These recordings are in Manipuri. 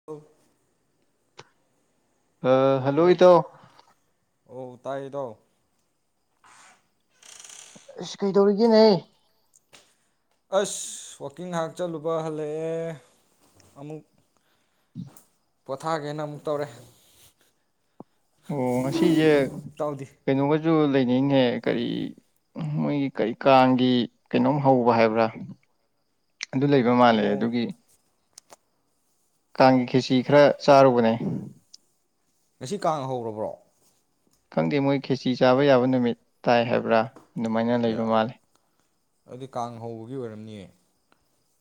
[unintelligible] ꯍꯥ ꯍꯜꯂꯣ ꯑꯣ ꯇꯥꯏꯌꯦ ꯢꯇꯥꯎ ꯑꯩꯁ ꯀꯩꯗꯧꯔꯤꯒꯦꯅꯦ ꯑꯁ ꯋꯥꯛꯀꯤꯡ ꯉꯥꯏꯍꯥꯛ ꯆꯠꯂꯨꯕ ꯍꯜꯂꯛꯑꯦ ꯑꯃꯨꯛ ꯄꯣꯊꯥꯒꯦꯅ ꯑꯃꯨꯛ ꯇꯧꯔꯦ ꯑꯣ ꯉꯁꯤꯁꯦ ꯇꯧꯗꯤ ꯀꯩꯅꯣꯒꯁꯨ ꯂꯩꯅꯩꯅꯦꯍꯦ ꯀꯔꯤ ꯃꯣꯏꯒꯤ ꯀꯔꯤ ꯀꯥꯡꯒꯤ ꯀꯩꯅꯣꯝ ꯍꯧꯕ ꯍꯥꯏꯕ꯭ꯔꯥ ꯑꯗꯨ ꯂꯩꯕ ꯃꯥꯜꯂꯦ ꯑꯣ ꯑꯗꯨꯒꯤ ꯀꯥꯡꯒꯤ ꯈꯦꯆꯤ ꯈꯔ ꯆꯥꯔꯨꯕꯅꯦ ꯉꯁꯤ ꯀꯥꯡ ꯍꯧꯒꯔꯕ꯭ꯔꯣ ꯈꯪꯗꯦ ꯃꯣꯏ ꯈꯦꯆꯤ ꯆꯥꯕ ꯌꯥꯕ ꯅꯨꯃꯤꯠ ꯇꯥꯏ ꯍꯥꯏꯕ꯭ꯔꯥ ꯑꯗꯨꯃꯥꯏꯅ ꯂꯩꯕ ꯃꯥꯜꯂꯦ ꯑꯗꯨ ꯀꯥꯡ ꯍꯧꯕꯒꯤ ꯑꯣꯏꯔꯝꯅꯤꯌꯦ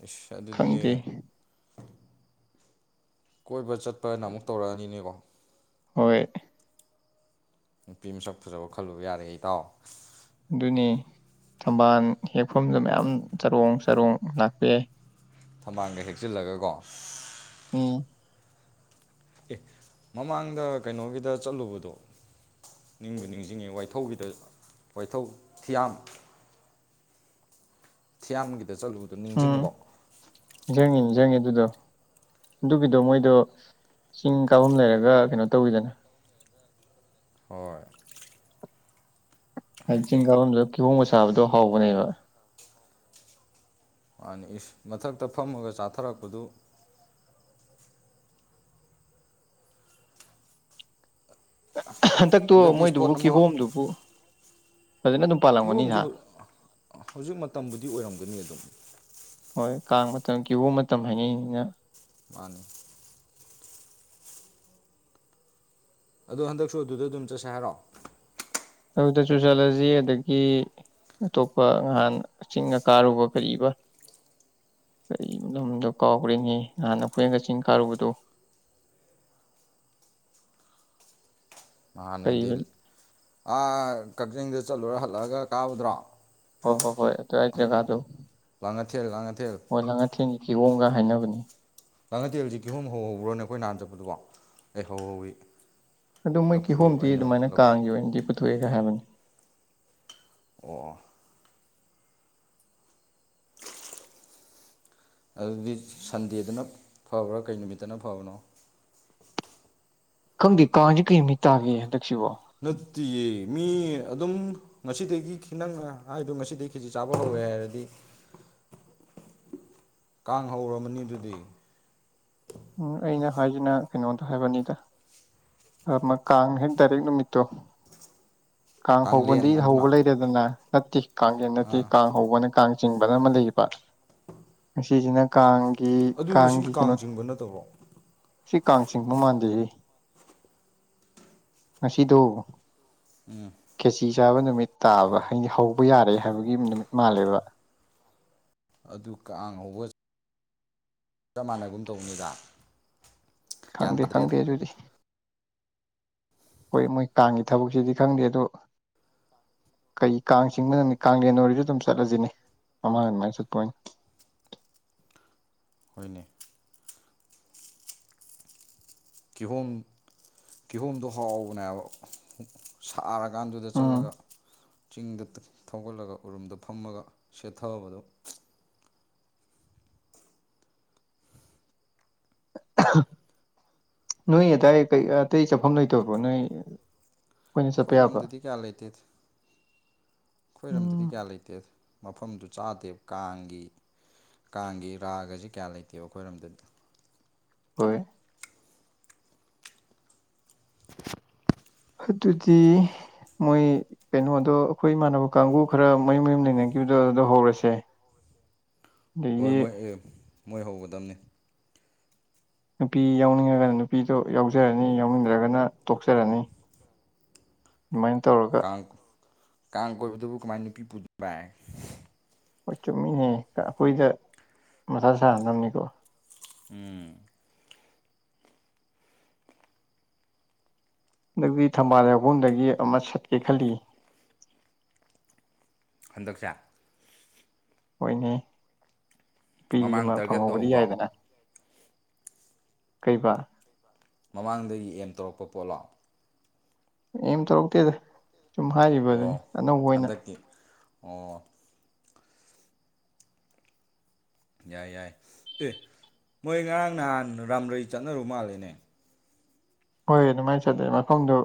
ꯑꯁ ꯑꯗꯨꯗꯤ ꯈꯪꯗꯦ ꯀꯣꯏꯕ ꯆꯠꯄꯅ ꯑꯃꯨꯛ ꯇꯧꯔꯛꯑꯅꯤꯅꯦꯀꯣ ꯍꯣꯏ ꯅꯨꯄꯤ ꯃꯁꯛ ꯐꯖꯕ ꯈꯜꯂꯨꯕ ꯌꯥꯔꯦ ꯏꯇꯥꯎ ꯑꯗꯨꯅꯦ ꯊꯝꯕꯥꯟ ꯍꯦꯛꯐꯝꯗ ꯃꯌꯥꯝ ꯆꯔꯣꯡ ꯆꯔꯣꯡ ꯂꯥꯛꯄ ꯌꯥꯏ ꯊꯝꯕꯥꯟꯒ ꯍꯦꯛꯆꯤꯜꯂꯒꯀꯣ ꯎꯝ ꯑꯦ ꯃꯃꯥꯡꯗ ꯀꯩꯅꯣꯒꯤꯗ ꯆꯠꯂꯨꯕꯗꯣ ꯅꯤꯡꯕꯨꯠ ꯅꯤꯡꯁꯤꯡꯉꯤ ꯋꯥꯏꯊꯧꯒꯤꯗ ꯋꯥꯏꯊꯧ ꯊꯤꯌꯥꯝ ꯊꯤꯌꯥꯝꯒꯤꯗ ꯆꯠꯂꯨꯕꯗꯣ ꯅꯤꯡꯁꯤꯡꯉꯤꯕꯣ ꯅꯤꯡꯖꯡꯉꯦ ꯅꯤꯡꯖꯡꯉꯦ ꯑꯗꯨꯗꯣ ꯑꯗꯨꯒꯤꯗꯣ ꯃꯣꯏꯗꯣ ꯆꯤꯡ ꯀꯥꯕꯝ ꯂꯩꯔꯒ ꯀꯩꯅꯣ ꯇꯧꯋꯤꯗꯅ ꯍꯣꯏ ꯍꯥꯏꯗꯤ ꯆꯤꯡ ꯀꯥꯕꯝꯗꯨꯗ ꯀꯤꯍꯣꯡꯒ ꯆꯥꯕꯗꯣ ꯍꯥꯎꯕꯅꯦꯕ ꯃꯥꯅꯤ ꯏꯁ ꯃꯊꯛꯇ ꯐꯝꯃꯒ ꯆꯥꯊꯔꯛꯄꯗꯨ ꯊꯛꯇꯣ ꯍꯟꯗꯛꯇꯤ ꯏꯁꯄꯣꯠ ꯃꯣꯏꯗꯨꯕꯨ ꯑꯃ ꯀꯤꯍꯣꯝꯗꯨꯕꯨ ꯐꯖꯅ ꯑꯗꯨꯝ ꯄꯥꯜꯂꯝꯒꯅꯤ ꯀꯤꯍꯣꯝꯁꯨ ꯍꯥ ꯍꯧꯖꯤꯛ ꯃꯇꯝꯕꯨꯗꯤ ꯑꯣꯏꯔꯝꯒꯅꯤ ꯑꯗꯨꯝ ꯍꯣꯏ ꯀꯥꯡ ꯃꯇꯝ ꯀꯤꯍꯣꯝ ꯃꯇꯝ ꯍꯥꯏꯅꯩꯅꯤꯅ ꯃꯥꯅꯤ ꯑꯗꯣ ꯍꯟꯗꯛꯁꯨ ꯑꯗꯨꯗ ꯑꯗꯨꯝ ꯆꯠꯁꯦ ꯍꯥꯏꯔꯣ ꯑꯗꯨꯗꯁꯨꯨ ꯆꯠꯂꯁꯤ ꯑꯗꯒꯤ ꯑꯇꯣꯞꯄ ꯅꯍꯥꯟ ꯆꯤꯡꯒ ꯀꯥꯔꯨꯕ ꯀꯔꯤꯕ ꯀꯔꯤꯕ ꯗꯨ ꯃꯃꯤꯡꯗꯣ ꯀꯥꯎꯒꯔ꯭ꯦꯅꯦꯍꯦ ꯅꯥꯍꯟ ꯑꯩꯈꯣꯏꯅꯒ ꯆꯤꯡ ꯀꯥꯔꯨꯕꯗꯣ ꯅꯍꯥꯟ ꯍꯥꯏꯗꯤ ꯀꯔꯤꯕ ꯑ ꯀꯛꯆꯤꯡꯗ ꯆꯠꯂꯨꯔ ꯍꯜꯂꯛꯑꯒ ꯀꯥꯕꯗꯨꯔꯣ ꯍꯣ ꯍꯣ ꯍꯣꯏ ꯑꯗꯋꯥꯏ ꯖꯒꯗꯣ ꯂꯥꯉꯥꯊꯦꯜ ꯂꯥꯉꯥꯊꯦꯜ ꯍꯣꯏ ꯂꯥꯡꯉꯥꯊꯦꯟꯒꯤ ꯀꯤꯌꯣꯝꯒ ꯍꯥꯏꯅꯕꯅꯦ ꯂꯥꯡꯉꯥꯊꯦꯜꯖꯦ ꯀꯤꯍꯣꯝ ꯍꯧꯍꯧꯕ꯭ꯔꯅꯦ ꯑꯩꯈꯣꯏ ꯅꯍꯥꯟ ꯆꯠꯄꯗꯨꯗꯣꯍꯩ ꯍꯧꯍꯧꯋꯤ ꯑꯗꯨ ꯃꯣꯏ ꯂꯐꯨ ꯀꯤꯍꯣꯝꯗꯤ ꯑꯩꯅ ꯑꯗꯨꯃꯥꯏꯅ ꯂꯐꯨ ꯀꯥꯡꯒꯤ ꯑꯣꯏꯅꯗꯤ ꯄꯨꯊꯣꯛꯑꯦꯒ ꯍꯥꯏꯕꯅꯤ ꯑꯣ ꯑꯗꯨꯗꯤ ꯁꯟꯗꯦꯗꯅ ꯐꯕ꯭ꯔꯥ ꯀꯩ ꯅꯨꯃꯤꯠꯇꯅ ꯐꯕꯅꯣ ꯈꯪꯗꯦ ꯀꯥꯡꯖꯦ ꯀꯩ ꯅꯨꯃꯤꯠ ꯇꯥꯒꯦ ꯍꯟꯗꯛꯁꯤꯕꯣ ꯅꯠꯇꯤꯌꯦ ꯃꯤ ꯑꯗꯨꯝ ꯉꯁꯤꯗꯒꯤꯈꯤ ꯅꯪ ꯍꯥꯏꯗꯣ ꯉꯁꯤꯗꯒꯤ ꯈꯦꯆꯤ ꯆꯥꯕ ꯍꯧꯋꯦ ꯍꯥꯏꯔꯗꯤ ꯀꯥꯡ ꯍꯧꯔꯝꯃꯅꯤ ꯑꯗꯨꯗꯤ ꯎꯝ ꯑꯩꯅ ꯍꯥꯏꯁꯤꯅ ꯀꯩꯅꯣꯗ ꯍꯥꯏꯕꯅꯤꯗ ꯀꯥꯡ ꯍꯦꯛ ꯗꯥꯏꯔꯦꯛ ꯅꯨꯃꯤꯠꯇꯣ ꯀꯥꯡ ꯀꯥꯡꯂꯦꯟ ꯍꯧꯕꯗꯤ ꯑꯗꯨꯅ ꯍꯧꯕ ꯂꯩꯔꯦ ꯗꯅ ꯅꯠꯇꯦ ꯀꯥꯡꯂꯦꯟ ꯅꯠꯇꯦ ꯑꯥ ꯀꯥꯡ ꯍꯧꯕꯅ ꯀꯥꯡ ꯆꯤꯡꯕꯅ ꯑꯃ ꯂꯩꯌꯦꯕ ꯉꯁꯤꯖꯤꯅ ꯀꯥꯡꯒꯤ ꯀꯥꯡꯒꯤ ꯀꯩꯅꯣ ꯅꯠꯇꯕꯔꯣ꯫ ꯁꯤ ꯀꯥꯡ ꯆꯤꯡꯕ ꯃꯥꯟꯗꯦ ꯍꯦ ꯉꯥꯁꯤꯗꯣ [unintelligible] ꯈꯦꯆꯤ ꯆꯥꯕ ꯅꯨꯃꯤꯠ ꯇꯥꯕ ꯍꯥꯏꯗꯤ ꯍꯧꯕ ꯌꯥꯔꯦ ꯍꯥꯏꯕꯒꯤ ꯅꯨꯃꯤꯠ ꯃꯥꯜꯂꯦꯕ ꯑꯗꯨ ꯀꯥꯡ ꯍꯧꯕꯠ ꯆꯞ ꯃꯥꯟꯅꯒꯨꯝ ꯇꯧꯅꯤꯗ ꯈꯪꯗꯦ ꯈꯪꯗꯦ ꯑꯗꯨꯗꯤ ꯍꯣꯏ ꯃꯣꯏ ꯀꯥꯡꯒꯤ ꯊꯕꯛꯁꯤꯗꯤ ꯈꯪꯗꯦ ꯑꯗꯣ ꯀꯩ ꯀꯥꯡ ꯆꯤꯡꯕ ꯅꯨꯃꯤꯠ ꯀꯥꯡꯂꯦꯟ ꯑꯣꯏꯔꯤꯁꯨ ꯑꯗꯨꯝ ꯆꯠꯂꯁꯤꯅꯦ ꯃꯃꯥꯡ ꯑꯗꯨꯃꯥꯏꯅ ꯆꯠꯄꯅꯤ ꯍꯣꯏꯅꯦ ꯀꯤꯍꯣꯝ ꯀꯤꯍꯣꯝꯗꯣ ꯍꯥꯎꯕꯅꯦ ꯍꯥꯏꯕ ꯁꯥꯔ ꯀꯥꯟꯗꯨꯗ ꯎꯝ ꯆꯠꯂꯒ ꯆꯤꯡꯗ ꯊꯧꯒꯠꯂꯒ ꯎꯔꯨꯝꯗ ꯐꯝꯃꯒ ꯁꯦꯠꯊꯕꯗꯣ ꯅꯣꯏ ꯑꯗꯥꯏ ꯀꯩ ꯑꯇꯩ ꯆꯠꯐꯝ ꯂꯩꯇꯕꯔꯣ ꯅꯣꯏ ꯑꯩꯈꯣꯏꯅ ꯆꯠꯄ ꯌꯥꯕ ꯈ꯭ꯣꯏꯔꯝꯗꯗꯤ ꯀꯌꯥ ꯂꯩꯇꯦꯗ ꯑꯩꯈꯣꯏꯔꯝꯗꯗꯤ ꯎꯝ ꯀꯌꯥ ꯂꯩꯇꯦꯗ ꯃꯐꯝꯗꯨ ꯆꯥꯗꯦꯕ ꯀꯥꯡꯒꯤ ꯀꯥꯡꯒꯤ ꯔꯥꯒꯁꯤꯦ ꯀꯌꯥ ꯂꯩꯇꯦꯕ ꯑꯩꯈꯣꯏꯔꯣꯝꯗꯨꯗ ꯍꯣꯏ ꯑꯗꯨꯗꯤ ꯃꯣꯏ ꯀꯩꯅꯣꯗꯣ ꯑꯩꯈꯣꯏ ꯏꯃꯥꯟꯅꯕ ꯀꯥꯡꯕꯨ ꯈꯔ ꯃꯌꯨꯝ ꯃꯌꯨꯝ ꯂꯩꯅꯈꯤꯕꯗꯣ ꯑꯗꯣ ꯍꯧꯔꯁꯦ ꯍꯣꯏ ꯑꯗꯒꯤ ꯃꯣꯏ ꯃꯣꯏ ꯍꯧꯒꯗꯝꯕꯅꯤ ꯅꯨꯄꯤ ꯌꯥꯎꯅꯤꯡꯉꯒꯅ ꯅꯨꯄꯤꯗꯣ ꯌꯥꯎꯖꯔꯅꯤ ꯌꯥꯎꯅꯤꯡꯗ꯭ꯔꯒꯅ ꯇꯣꯛꯆꯔꯅꯤ ꯑꯗꯨꯃꯥꯏꯅ ꯇꯧꯔꯒ ꯀ ꯀꯥ ꯀꯗꯕꯨ ꯃꯅꯤ ꯀ ꯄꯨꯕꯥ ꯍꯣꯏ ꯆꯨꯝꯃꯤꯍꯦ ꯑꯩꯈꯣꯏꯗ ꯃꯁꯥ ꯁꯥꯍꯅꯕꯅꯤꯀꯣ ꯎꯝ ꯑꯗꯨꯒꯤ ꯊꯝꯕꯥꯜ ꯌꯥꯎꯐꯝꯗꯒꯤ ꯑꯃ ꯁꯠꯀꯦ ꯈꯜꯂꯤ ꯍꯟꯗꯛꯁꯦ ꯍꯣꯏꯅꯦ ꯅꯨꯄꯤ ꯑꯃ ꯃꯃꯥꯡ ꯇꯥꯔꯒꯦꯠ ꯐꯪꯍꯧꯕꯗꯤ ꯇꯧꯍꯧꯕ꯭ꯔꯣ ꯌꯥꯏꯗꯅ ꯀꯩꯕ ꯃꯃꯥꯡꯗꯒꯤ ꯑꯦꯝ ꯇꯧꯔꯛꯄ ꯄꯣꯠꯂꯣ ꯑ ꯇꯧꯔꯛꯇꯦꯗ ꯁꯨꯝ ꯍꯥꯏꯔꯤꯕꯗꯨꯅꯤ ꯑꯣ ꯑꯅꯧꯕ ꯑꯣꯏꯅ ꯍꯟꯗꯛꯀꯤ ꯑꯣ ꯌꯥꯏ ꯌꯥꯏ ꯑꯦ ꯃꯣꯏ ꯉꯔꯥꯡ ꯅꯍꯥꯟ ꯔꯥꯝꯔꯩ ꯆꯠꯅꯔꯨ ꯃꯥꯜꯂꯦꯅꯦ ꯍꯣꯏ ꯑꯗꯨꯃꯥꯏꯅ ꯆꯗꯦ ꯃꯐꯝꯗꯨ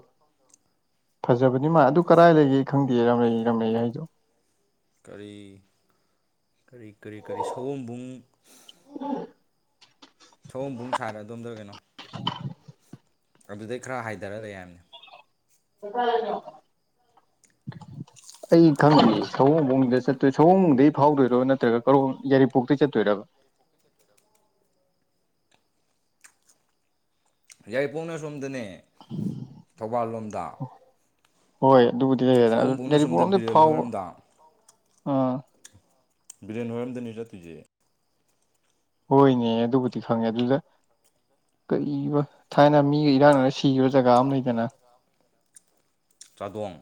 ꯐꯖꯕꯅꯤ ꯃꯥ ꯑꯗꯨ ꯀꯗꯥꯏ ꯂꯩꯒꯦ ꯈꯪꯗꯦ ꯔꯝꯂꯛꯏ ꯔꯥꯝꯂꯛꯏ ꯍꯥꯏꯗꯣ ꯀꯔꯤ ꯀꯔꯤ ꯀꯔꯤ ꯀꯔꯤ ꯁꯒꯣꯕꯨꯡ ꯊꯧꯎꯝꯕꯨꯡ ꯁꯥꯔꯒ ꯑꯣꯝꯗꯔ ꯀꯩꯅꯣ ꯑꯗꯨꯗꯩ ꯈꯔ ꯍꯥꯏꯊꯔꯒ ꯂꯩꯔꯅꯤ ꯀꯁꯥꯏ ꯍꯥꯏꯅ [inaudible] ꯑꯩ ꯈꯪꯗꯦ ꯁꯒꯣꯕꯨꯡꯗ ꯆꯠꯇꯣꯏ ꯁꯒꯣꯝꯕꯨꯡꯗꯩ ꯐꯥꯎꯗꯣꯏꯔꯣ ꯅꯠꯇ꯭ꯔꯒ ꯀ ꯌꯥꯏꯔꯤꯄꯣꯛꯇꯩꯒꯤ ꯆꯠꯇꯣꯏꯕ ꯌꯥꯏꯔꯤꯄꯣꯛꯅ ꯁꯣꯝꯗꯅꯦ ꯊꯧꯕꯥꯜ ꯂꯣꯝꯗ ꯍꯣꯏ ꯑꯗꯨꯕꯨꯗꯤ ꯂꯩꯔꯗꯅ ꯑꯗꯨ ꯁꯑꯣꯝꯕꯨꯡꯅ ꯁꯣꯝꯗ ꯔꯤꯄꯣꯂꯣꯝꯗꯤ ꯕꯤꯔꯦꯜ ꯐꯥꯎꯕ ꯍꯣꯏꯔꯣꯝꯗ ꯑꯥ ꯕꯤꯔꯌꯥꯟ ꯋꯥꯔꯝꯗꯅꯤ ꯆꯠꯇꯨꯁꯦ ꯍꯣꯏꯅꯦ ꯑꯗꯨꯕꯨꯗꯤ ꯈꯪꯉꯦ ꯑꯗꯨꯗ ꯀ ꯊꯥꯏꯅ ꯃꯤꯒ ꯏꯔꯥꯡꯅꯅ ꯁꯤꯈꯤꯕ ꯖꯒꯥ ꯑꯃ ꯂꯩꯗꯅ ꯆ꯭ꯔꯥꯗꯣꯡ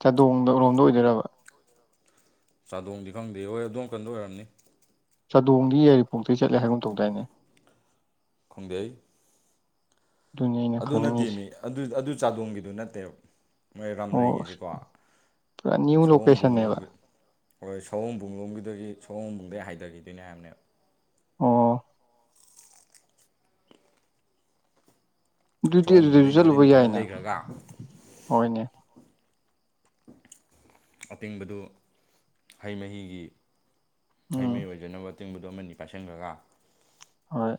ꯆꯥꯗꯣꯡꯗꯔꯣꯝꯗ ꯑꯣꯏꯗꯣꯏꯔꯕ ꯆꯥꯗꯣꯡꯗꯤ ꯈꯪꯗꯦ ꯍꯣꯏ ꯑꯗꯣꯝ ꯀꯟꯗ ꯑꯣꯏꯔꯝꯅꯤ ꯆꯥꯗꯣꯡꯗꯤ ꯌꯥꯏꯔꯤꯄꯣꯛꯇꯩ ꯆꯠꯂꯦ ꯍꯥꯏꯒꯨꯝ ꯇꯧꯗꯥꯏꯅꯦ ꯈꯪꯖꯩ ꯑꯗꯨꯅꯤ ꯑꯩꯅ ꯑꯗꯨ ꯅꯠꯇꯦ ꯈꯪꯅꯤꯡꯉꯤꯁꯦ ꯃꯤ ꯑꯗꯨ ꯑꯗꯨ ꯆꯥꯗꯣꯡꯒꯤꯗꯨ ꯅꯠꯇꯦꯕ ꯃꯣꯏ ꯑꯣ ꯑꯁ ꯔꯥꯝꯂꯩꯒꯤꯁꯤꯀꯣ ꯄꯨꯔꯥ ꯅ꯭ꯌꯨ ꯂꯣꯀꯦꯁꯟꯅꯦꯕ ꯁꯑꯣꯣꯡꯕꯂꯣꯡꯒ ꯍꯣꯏ ꯁꯧꯑꯨꯡꯕꯨꯡꯂꯣꯝꯒꯤꯗꯒꯤ ꯁꯧꯑꯨꯡꯕꯨꯡꯗꯒꯤ ꯍꯥꯏꯗꯒꯤꯗꯣꯏꯕꯅꯦ ꯍꯥꯏꯅꯦꯕ ꯑꯣ ꯑꯗꯨꯗꯤ ꯑꯗꯨꯗꯁꯨ ꯁꯑꯣꯝꯕꯨꯡꯗꯩ ꯆꯠꯂꯨꯕ ꯃꯔꯤꯟ ꯈꯔ ꯌꯥꯏꯅ ꯂꯩꯈ꯭ꯔꯒ ꯍꯣꯏꯅꯦ ꯑꯇꯤꯡꯕꯗꯨ ꯍꯩ ꯃꯍꯤꯒꯤ ꯎꯝ ꯍꯩꯃꯍꯤ ꯑꯣꯏꯖꯅꯕ ꯇꯤꯡꯕꯗꯨ ꯑꯃꯅꯤ ꯄꯥꯏꯁꯤꯟꯈꯔꯒ ꯍꯣꯏ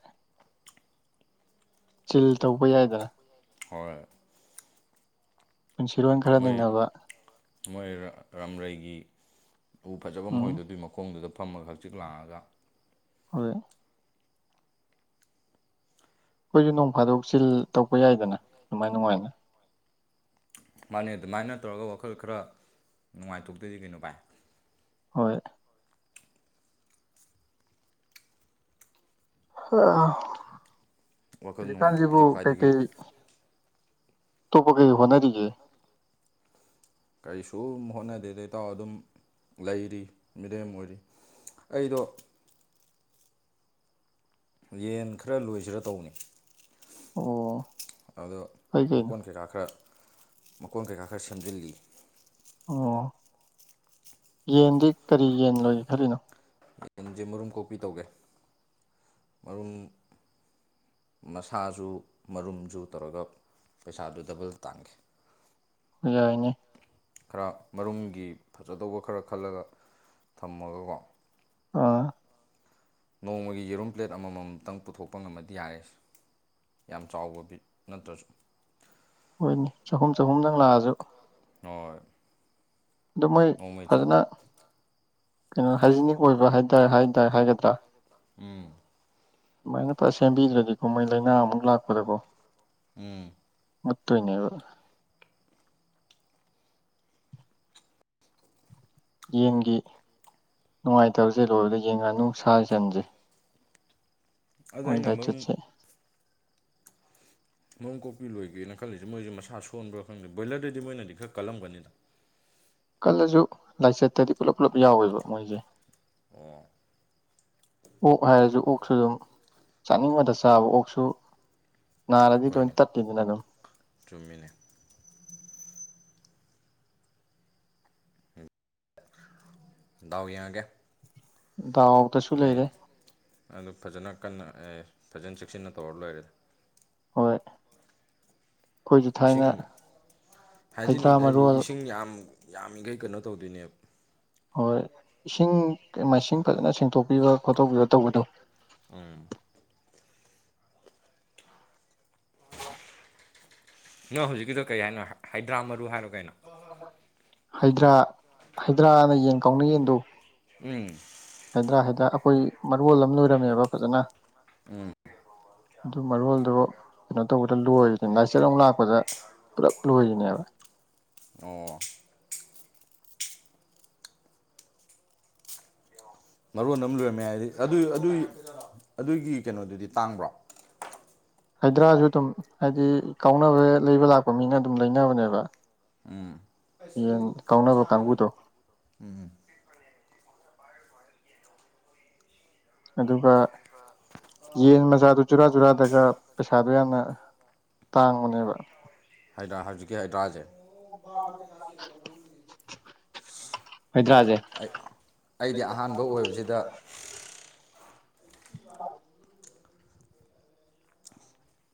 ꯆꯤꯜ ꯇꯧꯕ ꯌꯥꯏꯗꯅ ꯍꯣꯏ ꯄꯨꯟꯁꯤꯔꯣꯟ ꯈꯔ ꯃꯣꯏ ꯅꯩꯅꯕ ꯃꯣꯏ ꯔꯥꯝꯔꯩꯒꯤ ꯎ ꯐꯖꯕ ꯎꯝ ꯃꯣꯏꯗꯨꯗꯨꯒꯤ ꯃꯈꯣꯡꯗꯨꯗ ꯐꯝꯃꯒ ꯍꯛꯆꯤꯛ ꯂꯥꯛꯑꯒ ꯍꯣꯏ ꯑꯩꯈꯣꯏꯁꯨ ꯅꯣꯡ ꯐꯥꯗꯣꯛꯆꯜ ꯇꯧꯕ ꯌꯥꯏꯗꯅ ꯑꯗꯨꯃꯥꯏꯅ ꯅꯨꯡꯉꯥꯏꯅ ꯃꯥꯅꯦ ꯑꯗꯨꯃꯥꯏꯅ ꯇꯧꯔꯒ ꯋꯥꯈꯜ ꯈꯔ ꯅꯨꯡꯉꯥꯏꯊꯣꯛꯇꯣꯏꯗꯤ ꯀꯩꯅꯣ ꯚꯥꯏ ꯍꯣꯏ [unintelligible] ꯋꯥꯈꯜ ꯍꯧꯖꯤꯀꯥꯟꯖꯤꯕꯨ ꯅꯨꯡꯉꯥꯏꯊꯣꯛꯄꯁꯤ ꯈ꯭ꯋꯥꯏꯗꯒꯤ ꯀꯩꯀꯩ ꯇꯣꯄ ꯀꯩ ꯀꯩ ꯍꯣꯠꯅꯔꯤꯒꯦ ꯀꯔꯤꯁꯨ ꯍꯣꯠꯅꯗꯦꯗ ꯏꯇꯥꯎ ꯑꯗꯨꯝ ꯂꯩꯔꯤ ꯃꯤꯔꯦꯝ ꯑꯣꯏꯔꯤ ꯑꯩꯗꯣ ꯌꯦꯟ ꯈꯔ ꯂꯣꯏꯁꯤꯔ ꯇꯧꯕꯅꯦ ꯑꯣ ꯑꯗꯣ ꯐꯩ ꯀꯩꯅꯣ ꯃꯀꯣꯟ ꯀꯩꯀꯥ ꯈꯔ ꯃꯀꯣꯟ ꯀꯩꯀꯥ ꯈꯔ ꯁꯦꯝꯖꯤꯜꯂꯤ ꯑꯣ ꯌꯦꯟꯗꯤ ꯀꯔꯤ ꯌꯦꯟ ꯂꯣꯏꯒꯦ ꯈꯜꯂꯤꯅꯣ ꯌꯦꯟꯖꯦ ꯃꯔꯨꯝ ꯀꯣꯛꯄꯤ ꯇꯧꯒꯦ ꯃꯔꯨꯝ ꯃꯁꯥꯖꯨ ꯃꯔꯨꯝꯖꯨ ꯇꯧꯔꯒ ꯄꯩꯁꯥꯗꯨ ꯗꯕꯜ ꯇꯥꯟꯒꯦ ꯌꯥꯏꯅꯦ ꯈꯔ ꯃꯔꯨꯝꯒꯤ ꯐꯖꯗꯧꯕ ꯈꯔ ꯈꯜꯂꯒ ꯊꯝꯃꯒꯀꯣ ꯑꯥ ꯅꯣꯡꯃꯒꯤ ꯌꯦꯔꯨꯝ ꯄ꯭ꯂꯦꯠ ꯑꯃꯃꯝꯇꯪ ꯄꯨꯊꯣꯛꯄ ꯉꯝꯃꯗꯤ ꯌꯥꯔꯦꯁꯦ ꯌꯥꯝ ꯆꯥꯎꯕꯗꯤ ꯅꯠꯇ꯭ꯔꯁꯨ ꯍꯣꯏꯅꯦ ꯆꯍꯨꯝ ꯆꯍꯨꯝꯗꯪ ꯂꯥꯛꯑꯁꯨ ꯍꯣꯏ ꯑꯗꯨ ꯃꯣꯏ ꯅꯣꯡꯃꯩ ꯐꯖꯅ ꯀꯩꯅꯣ ꯍꯥꯏꯖꯤꯅꯤꯛ ꯑꯣꯏꯕ ꯍꯥꯏꯇꯥꯔꯦ ꯍꯥꯏꯇꯥꯔꯦ ꯍꯥꯏꯒꯗ꯭ꯔꯥ ꯎꯝ ꯑꯗꯨꯨꯃꯥꯏꯅ ꯐꯖꯅ ꯁꯦꯝꯕꯤꯗ꯭ꯔꯗꯤꯀꯣ ꯃꯣꯏ ꯂꯥꯏꯅꯥ ꯑꯃꯨꯛ ꯂꯥꯛꯄꯗꯀꯣ ꯎꯝ ꯃꯨꯠꯇꯣꯏꯅꯦꯕ ꯌꯦꯟꯒꯤ ꯅꯨꯡꯉꯥꯏꯇꯕꯖꯦ ꯂꯣꯏꯕꯗ ꯌꯦꯟ ꯉꯥꯅꯨ ꯁꯥ ꯁꯟꯖꯦ ꯑꯗ ꯑꯩꯅ ꯃꯔꯨꯝ ꯂꯥꯏꯆꯠꯁꯦ ꯃꯔꯨꯝ ꯀꯣꯛꯄꯤ ꯂꯣꯏꯒꯦꯅ ꯈꯜꯂꯤꯁꯦ ꯃꯣꯏꯁꯦ ꯃꯁꯥ ꯁꯣꯟꯕ꯭ꯔꯥ ꯈꯪꯗꯦ ꯕꯣꯏꯂꯔꯗꯗꯤ ꯃꯣꯏꯅꯗꯤ ꯈꯔ ꯀꯜꯂꯝꯒꯅꯤꯗ ꯀꯜꯂꯖꯨ ꯂꯥꯏꯆꯠꯇꯗꯤ ꯄꯨꯂꯞ ꯄꯨꯂꯞ ꯌꯥꯎꯋꯦꯕ ꯃꯣꯏꯖꯦ ꯑꯣ ꯑꯣꯛ ꯍꯥꯏꯔꯁꯨ ꯑꯣꯛꯁꯨ ꯑꯗꯨꯝ ꯆꯥꯅꯤꯡꯕꯗ ꯆꯥꯕ ꯑꯣꯛꯁꯨ ꯅꯥꯔꯗꯤ ꯂꯣꯏ ꯍꯣꯏꯅꯦ ꯇꯠꯀꯤꯅꯤꯏ ꯑꯗꯨꯝ ꯆꯨꯝꯃꯤꯅꯦ ꯗꯥꯎ ꯌꯦꯡꯉꯒꯦ ꯗꯥꯎ ꯑꯩ ꯑꯗꯨ ꯐꯖꯅ ꯀꯟꯅ ꯑꯩ ꯐꯖꯅ ꯆꯦꯛꯁꯤꯟꯅ ꯇꯧꯔ ꯂꯣꯏꯔꯦꯗ ꯍꯣꯏ ꯑꯩꯈꯣꯏꯁꯨ ꯊꯥꯏꯅ ꯏꯁꯤꯡ ꯍꯩꯗ꯭ꯔꯥ ꯍꯥꯏꯖꯤꯅꯤꯛ ꯍꯥꯏ ꯃꯔꯣꯜ ꯏꯁꯤꯡ ꯌꯥꯝ ꯌꯥꯝꯃꯤꯒꯩ ꯀꯩꯅꯣ ꯇꯧꯗꯣꯏꯅꯦꯕ ꯍꯣꯏ ꯏꯁꯤꯡ ꯃꯥꯏꯁꯤꯡ ꯐꯖꯅ ꯁꯦꯡꯗꯣꯛꯄꯤꯕ ꯈꯣꯠꯇꯣꯛꯄꯤꯕ ꯇꯧꯕꯗꯣ ꯎꯝ ꯅꯪ ꯍꯧꯖꯤꯛꯀꯤꯗꯣ ꯀꯩ ꯍꯥꯏꯅꯣ ꯍꯥꯏꯗ꯭ꯔꯥ ꯃꯔꯨ ꯍꯥꯏꯔꯣ ꯀꯩꯅꯣ ꯍꯩꯗ꯭ꯔꯥ ꯍꯩꯗ꯭ꯔꯥ ꯑꯅ ꯌꯦꯟ ꯀꯥꯎꯅ ꯌꯦꯟꯗꯣ ꯎꯝ ꯍꯥꯏꯗ꯭ꯔꯥ ꯍꯥꯏꯗ꯭ꯔꯥ ꯑꯩꯈꯣꯏ ꯃꯔꯣꯜ ꯑꯃ ꯂꯣꯏꯔꯝꯃꯦꯕ ꯐꯖꯅ ꯎꯝ ꯑꯗꯨ ꯃꯔꯣꯜꯗꯣ ꯀꯩꯅꯣ ꯇꯧꯕꯗ ꯂꯣꯏꯕꯅꯦ ꯂꯥꯏꯆꯠ ꯑꯃ ꯂꯥꯛꯄꯗ ꯄꯨꯔꯞ ꯂꯣꯏꯔꯤꯅꯦꯕ ꯑꯣ ꯃꯔꯣꯟ ꯑꯃ ꯂꯣꯏꯔꯝꯃꯦ ꯍꯥꯏꯗꯤ ꯑꯗꯨ ꯑꯗꯨ ꯑꯗꯨꯒꯤ ꯀꯩꯅꯣꯗꯨꯗꯤ ꯇꯥꯡꯕ꯭ꯔꯣ ꯍꯥꯏꯗ꯭ꯔꯥꯁꯨ ꯑꯗꯨꯝ ꯍꯥꯏꯗꯤ ꯀꯥꯎꯅꯕ ꯂꯩꯕ ꯂꯥꯛꯄ ꯃꯤꯅ ꯑꯗꯨꯝ ꯂꯩꯅꯕꯅꯦꯕ ꯎꯝ ꯌꯦꯡ ꯀꯥꯎꯅꯕ ꯀꯥꯡꯕꯨꯗꯣ ꯎꯝ ꯑꯗꯨꯒ ꯌꯦꯟ ꯃꯆꯥꯗꯨ ꯆꯨꯔꯥ ꯆꯨꯔꯥꯗꯒ ꯄꯩꯁꯥꯗꯣ ꯌꯥꯝꯅ ꯇꯥꯡꯕꯅꯦꯕ ꯍꯥꯏꯗ꯭ꯔꯥ ꯍꯧꯖꯤꯛꯀꯤ ꯍꯥꯏꯗ꯭ꯔꯥꯁꯦ ꯍꯩꯗ꯭ꯔꯥꯁꯦ ꯑꯩ ꯑꯩꯗꯤ ꯑꯍꯥꯟꯕ ꯑꯣꯏꯕꯁꯤꯗ [inaudible]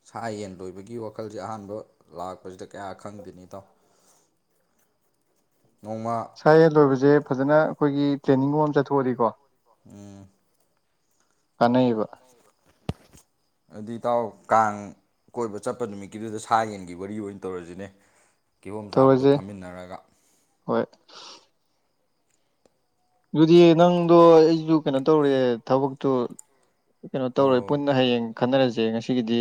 ꯁꯥ ꯌꯦꯟ ꯂꯣꯏꯕꯒꯤ ꯋꯥꯈꯜꯁꯦ ꯑꯍꯥꯟꯕ ꯂꯥꯛꯄꯁꯤꯗ ꯀꯌꯥ ꯈꯪꯗꯦꯅꯦ ꯏꯇꯥꯎ ꯅꯣꯡꯃ ꯁꯥꯥ ꯌꯦꯟ ꯂꯣꯏꯕꯁꯦ ꯐꯖꯅ ꯑꯩꯈꯣꯏꯒꯤ ꯇ꯭ꯔꯦꯅꯤꯡ ꯒꯨꯝꯕ ꯑꯃ ꯆꯠꯊꯣꯛ ꯑꯗꯤꯀꯣ ꯎꯝ ꯀꯥꯟꯅꯩꯌꯦꯕ ꯑꯗꯨ ꯏꯇꯥꯎ ꯀꯥꯡ ꯀꯣꯏꯕ ꯆꯠꯄ ꯅꯨꯃꯤꯠꯀꯤꯗꯨꯗ ꯁꯥ ꯌꯦꯟꯒꯤ ꯋꯥꯔꯤ ꯑꯣꯏꯅ ꯇꯧꯔꯁꯤꯅꯦ ꯀꯤꯍꯣꯝ ꯆꯥꯕꯗꯣ ꯇꯧꯔꯁꯦ ꯐꯝꯃꯤꯟꯅꯔꯒ ꯍꯣꯏ ꯑꯗꯨꯗꯤ ꯅꯪꯗꯣ ꯑꯩꯁꯨ ꯀꯩꯅꯣ ꯇꯧꯔꯦ ꯊꯕꯛꯇꯣ ꯀꯩꯅꯣ ꯍꯣ ꯇꯧꯔꯦ ꯍꯣ ꯍꯣꯏ ꯄꯨꯟꯅ ꯍꯌꯦꯡ ꯈꯟꯅꯔꯁꯦ ꯉꯁꯤꯒꯤꯗꯤ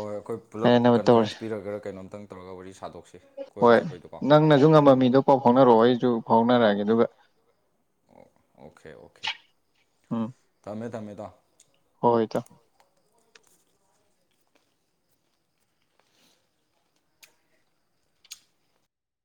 ꯍꯣꯏ ꯑꯩꯈꯣꯏ ꯄꯨꯂꯞ ꯀꯥꯏꯅꯅꯕ ꯇꯧꯔꯁꯦ ꯀꯟꯐ꯭ꯔꯦꯟꯁ ꯄꯤꯔꯒꯔ ꯀꯩꯅꯣꯝꯇꯪ ꯇꯧꯔꯒ ꯋꯥꯔꯤ ꯁꯥꯗꯣꯛꯁꯤ ꯀꯣꯏꯕ ꯆꯠꯄꯩꯗꯣꯀꯣ ꯅꯁꯨ ꯉꯝꯕ ꯃꯤꯗꯣ ꯄꯥꯎ ꯐꯥꯎꯅꯔꯛꯑꯣ ꯑꯩꯁꯨ ꯐꯥꯎꯅꯔꯛꯑꯒꯦ ꯑꯗꯨꯒ ꯑꯣꯀꯦ ꯑꯣꯀꯦ ꯊꯝꯃꯦ ꯊꯝꯃꯦ ꯏꯇꯥꯎ ꯍꯣ ꯍꯣꯏ ꯏꯇꯥꯎ